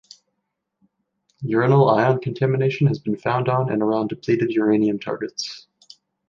Uranyl ion contamination has been found on and around depleted uranium targets.